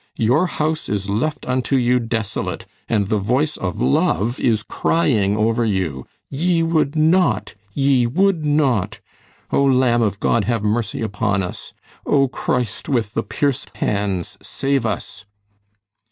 Your house is left unto you desolate, and the voice of love is crying over you. Ye would not! Ye would not! O, Lamb of God, have mercy upon us! O, Christ, with the pierced hands, save us!"